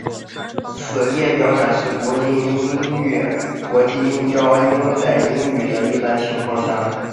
此列表展示国际音标应用在英语的一般情况。